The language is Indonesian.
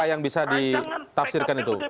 yang bisa ditafsirkan itu